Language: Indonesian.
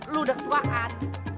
lu udah ketuaan